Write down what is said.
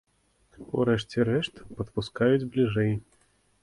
У рэшце рэшт, падпускаюць бліжэй.